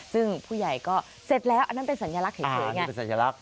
ซึ่งผู้ใหญ่ก็เสร็จแล้วอันนั้นเป็นสัญลักษณ์เห็นอย่างนี้